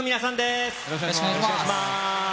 よろしくお願いします。